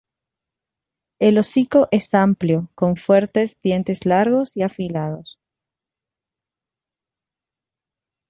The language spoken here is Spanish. El hocico es amplio, con fuertes dientes largos y afilados.